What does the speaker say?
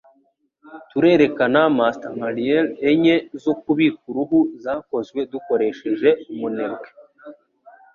Turerekana mastecmariyaies enye zo kubika uruhu zakozwe dukoresheje Umunebwe